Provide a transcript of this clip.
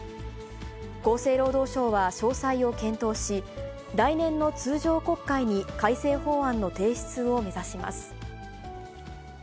厚生労働省は詳細を検討し、来年の通常国会に改正法案の提出を目指します。